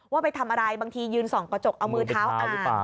ว่าไปทำอะไรบางทียืนส่องกระจกเอามือเท้าเอา